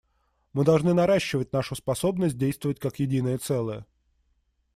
Мы должны наращивать нашу способность действовать как единое целое.